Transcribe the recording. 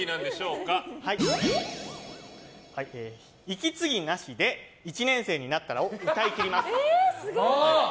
息継ぎなしで「一年生になったら」を歌い切ります。